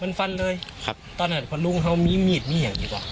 มันฟันเลยครับตอนนั้นพอลุงเขามีมีดมีอย่างดีกว่า